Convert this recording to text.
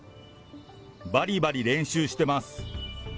ばりばり練習してます。